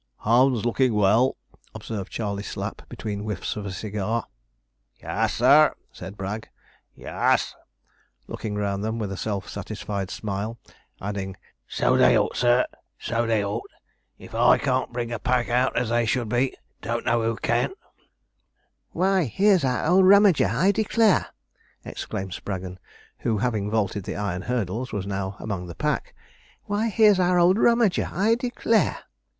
'Hounds looking well,' observed Charley Slapp between the whiffs of a cigar. 'Y_as_, sir,' said Bragg, 'y_as_,' looking around them with a self satisfied smile; adding, 'so they ought, sir so they ought; if I can't bring a pack out as they should be, don't know who can.' 'Why, here's our old Rummager, I declare!' exclaimed Spraggon, who, having vaulted the iron hurdles, was now among the pack. 'Why, here's our old Rummager, I declare!'